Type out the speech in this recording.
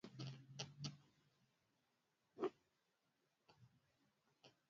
dola elfu kumi na mbili na mia tano za Kimarekani Ilifahamika kuwa Chameleone kanunua